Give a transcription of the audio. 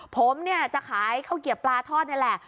ผมเนี่ยจะขายข้าวเกียบปลาทอดนี่แหละ